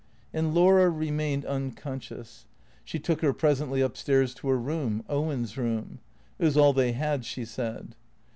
And Laura remained unconscious. She took her presently up stairs to her room, Owen's room. It was all they had, she said.